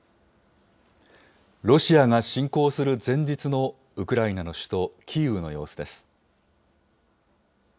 ロシアが侵攻する前日のウクライナの首都キーウの様子です。